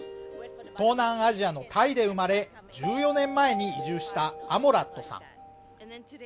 東南アジアのタイで生まれ１４年前に移住したアモラットさん